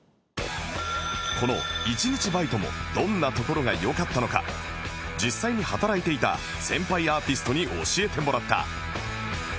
この１日バイトもどんなところが良かったのか実際に働いていた先輩アーティストに教えてもらった